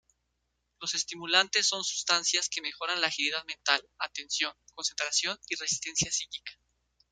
Los estimulantes son sustancias que mejoran la agilidad mental, atención, concentración, y resistencia psíquica.